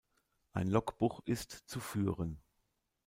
Ein Logbuch ist zu führen.